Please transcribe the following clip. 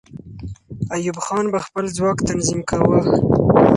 ایوب خان به خپل ځواک تنظیم کاوه.